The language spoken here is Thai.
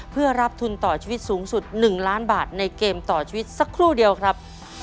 เพื่อรับทุนต่อชีวิตสูงสุด๑ล้านบาทในเกมต่อชีวิตสักครู่เดียวครับ